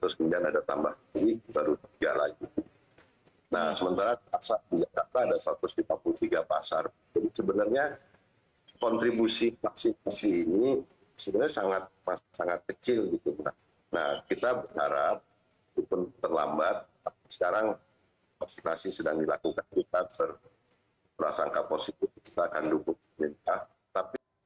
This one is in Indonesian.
satu kali kita berperasangka positif kita akan dukung pemerintah